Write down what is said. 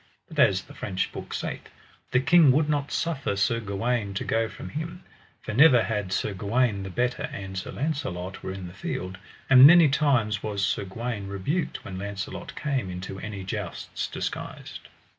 But as the French book saith, the king would not suffer Sir Gawaine to go from him, for never had Sir Gawaine the better an Sir Launcelot were in the field; and many times was Sir Gawaine rebuked when Launcelot came into any jousts disguised.